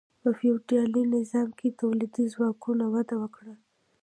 په فیوډالي نظام کې تولیدي ځواکونو وده وکړه.